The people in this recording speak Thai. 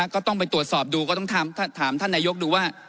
ก็ต้องไปตรวจสอบดูก็ต้องถามท่านนายกดูว่า